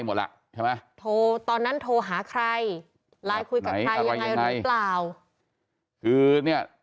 หมดล่ะใช่ไหมโทรตอนนั้นโทรหาใครไลน์คุยกับใครยังไงหรือเปล่าคือเนี่ย